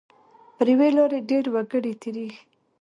پر یوې لارې ډېر وګړي تېریږي.